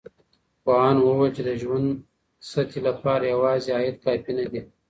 پوهانو وويل چی د ژوند سطحې لپاره يوازي عايد کافي نه دی.